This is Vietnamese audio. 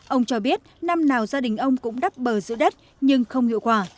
ông cho biết năm nào gia đình ông cũng đắp bờ giữ đất nhưng không hiệu quả